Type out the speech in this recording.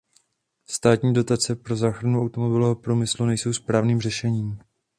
Státní dotace pro záchranu automobilového průmyslu nejsou správným řešením.